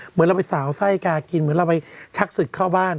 เหมือนเราไปสาวไส้กากินเหมือนเราไปชักศึกเข้าบ้าน